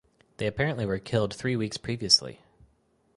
They apparently were killed three weeks previously.